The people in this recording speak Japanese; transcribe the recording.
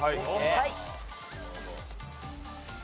はい。